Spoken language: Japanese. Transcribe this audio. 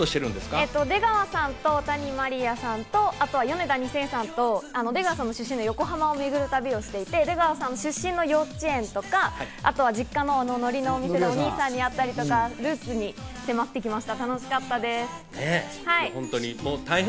出川さんと谷まりあさんとあとヨネダ２０００さんと出川さん出身の横浜を巡る旅をしていて出川さん出身の幼稚園とか実家ののりのお店でお兄さんに会ったり、ルーツに迫ってきました。